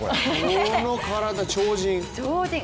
この体、超人。